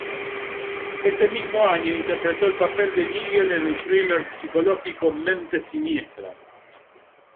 Ese mismo año interpretó el papel de "Nigel" en el thriller psicológico, "Mentes Siniestras".